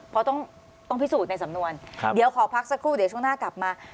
เพราะต้องพิสูจน์ในสำนวนเดี๋ยวขอพักสักครู่เดี๋ยวช่วงหน้ากลับมา